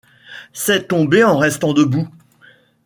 Sait tomber en restant debout